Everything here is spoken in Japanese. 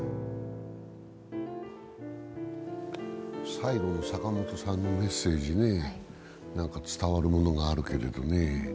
最後の坂本さんのメッセージ、何か伝わるものがあるけれどね。